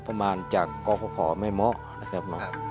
ประมาณจากกรพแม่เมาะนะครับ